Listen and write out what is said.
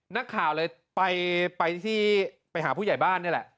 นักข่าวเลยไปที่ไปหาผู้ใหญ่บ้านนี่แหละ